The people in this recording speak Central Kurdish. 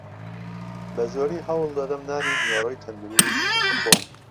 بەزۆری هەوڵدەدەم نانی نیوەڕۆی تەندروست بخۆم.